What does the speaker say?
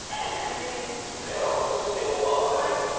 さあそして今日は山口さん。